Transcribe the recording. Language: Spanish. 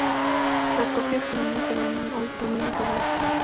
Las copias genuinas se venden hoy por miles de dólares.